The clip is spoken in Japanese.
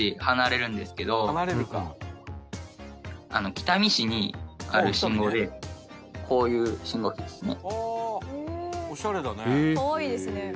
北見市にある信号でこういう信号機ですね。